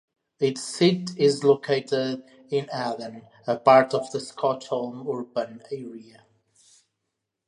Its seat is located in Handen, a part of the Stockholm urban area.